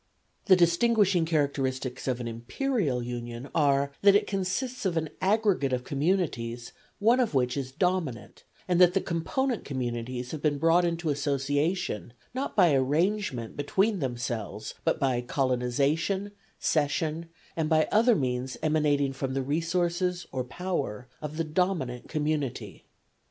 The distinguishing characteristics of an imperial union are, that it consists of an aggregate of communities, one of which is dominant, and that the component communities have been brought into association, not by arrangement between themselves, but by colonization, cession, and by other means emanating from the resources or power of the dominant community.